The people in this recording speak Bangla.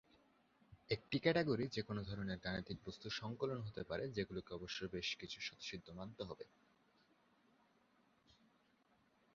একটি ক্যাটাগরি যে কোন ধরনের গাণিতিক বস্তুর সংকলন হতে পারে, যেগুলোকে অবশ্য বেশ কিছু স্বতঃসিদ্ধ মানতে হবে।